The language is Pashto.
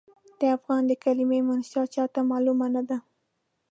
د افغان د کلمې منشا چاته معلومه نه ده.